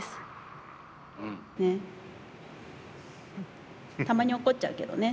ね、たまに怒っちゃうけどね。